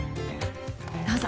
どうぞ。